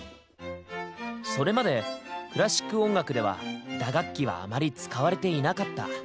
それまでクラシック音楽では打楽器はあまり使われていなかった。